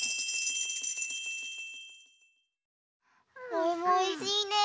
おいもおいしいね。